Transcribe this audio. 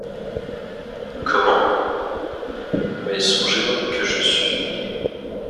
Comment… mais songez donc que je suis…